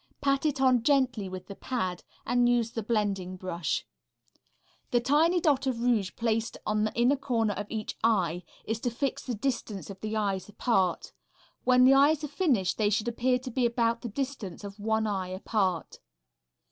Pat it on gently with the pad and use the blending brush. The tiny dot of rouge placed in the inner corner of each eye is to fix the distance of the eyes apart. When the eyes are finished they should appear to be about the distance of one eye apart.